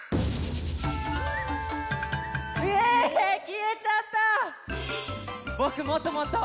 えきえちゃった！